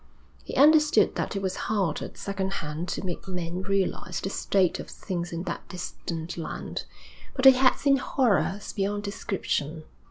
He understood that it was hard at second hand to make men realise the state of things in that distant land. But he had seen horrors beyond description.